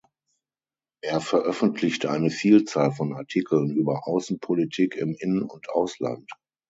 Er veröffentlichte eine Vielzahl von Artikeln über Außenpolitik im In- und Ausland.